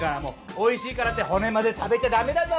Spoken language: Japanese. おいしいからって骨まで食べちゃダメだぞ。